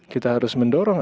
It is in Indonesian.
kita harus mendorong